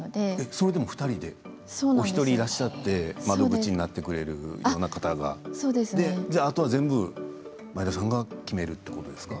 それでも２人でお一人いらっしゃって窓口になってくれるような方があとは全部前田さんが決めるということですか？